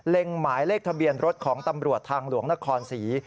หมายเลขทะเบียนรถของตำรวจทางหลวงนครศรี